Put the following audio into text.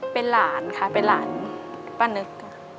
เป็นหลานค่ะเป็นหลานป้านึกค่ะ